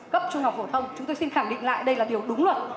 cấp trung học phổ thông chúng tôi xin khẳng định lại đây là điều đúng luật